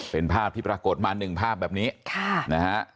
เป็นภาพที่ปรากฏมาหนึ่งภาพแบบนี้ค่ะ